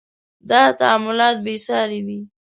• دا تعاملات بې ساري دي.